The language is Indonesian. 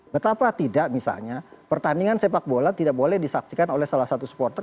betapa tidak misalnya pertandingan sepak bola tidak boleh disaksikan oleh salah satu supporter